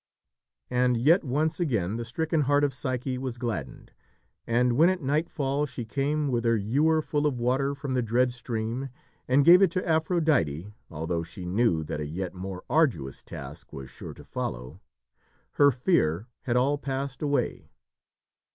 '" And, yet once again, the stricken heart of Psyche was gladdened, and when at nightfall she came with her ewer full of water from the dread stream and gave it to Aphrodite, although she knew that a yet more arduous task was sure to follow, her fear had all passed away.